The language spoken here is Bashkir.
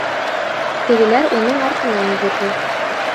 Тегеләр уның артынан йүгерҙе.